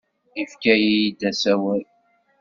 Yefka-iyi-d asawal.